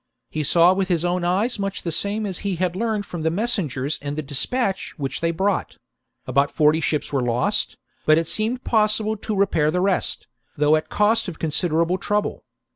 He saw with his own back inland, cycs much the same as he had learned from the messengers and the dispatch which they brought : about forty ships were lost, but it seemed possible to repair the rest, though at the cost of consider able trouble.